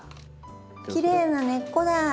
きれいな根っこだ。